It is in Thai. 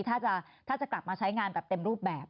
ถ้าจะกลับมาใช้งานแบบเต็มรูปแบบ